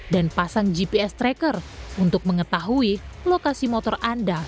dan pasang gps tracker untuk mengetahui lokasi motor anda